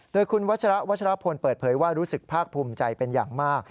โดยคุณวัชระวัชรพลเปิดเผยว่ารู้สึกภาคภูมิใจเป็นอย่างมาก